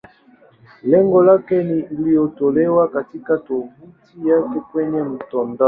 Lengo lake ni iliyotolewa katika tovuti yake kwenye mtandao.